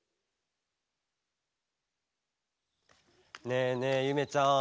ねえねえゆめちゃん